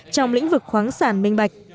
trong lĩnh vực khoáng sản minh bạch